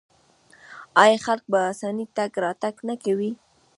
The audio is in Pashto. آیا خلک په اسانۍ تګ راتګ نه کوي؟